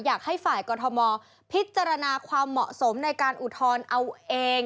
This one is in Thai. อยากให้ฝ่ายกรทมพิจารณาความเหมาะสมในการอุทธรณ์เอาเอง